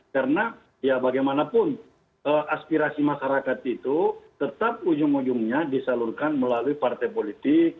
karena ya bagaimanapun aspirasi masyarakat itu tetap ujung ujungnya disalurkan melalui partai politik